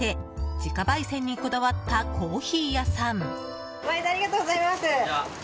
自家焙煎にこだわったコーヒー屋さん。